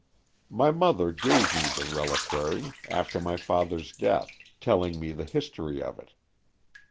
My mother gave me the reliquary, after my father's death, telling me the history of it.